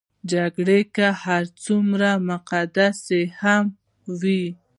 جګړه که هر څومره مقدسه هم وي.